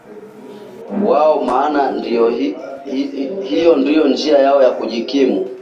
wao maana hio ndio njia yao ya kujikimu